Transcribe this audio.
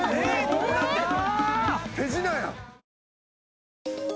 どうなってんの？